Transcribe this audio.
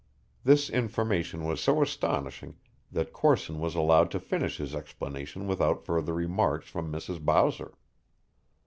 This information was so astonishing that Corson was allowed to finish his explanation without further remarks from Mrs. Bowser.